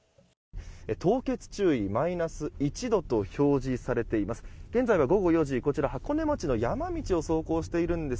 凍結注意マイナス１度と表示されています。